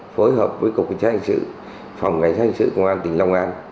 phối hợp với cục cảnh sát hình sự phòng cảnh sát hình sự công an tỉnh long an